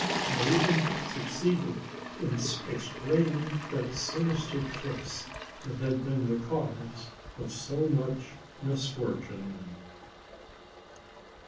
I even succeeded in explaining that sinister kiss, that had been the cause of so much misfortune.